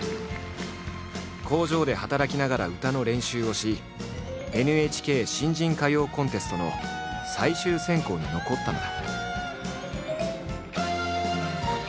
工場で働きながら歌の練習をしＮＨＫ新人歌謡コンテストの最終選考に残ったのだ。